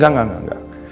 enggak enggak enggak